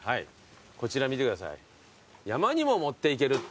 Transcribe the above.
こちら見てください。